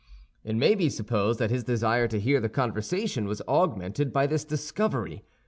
It may be supposed that his desire to hear the conversation was augmented by this discovery.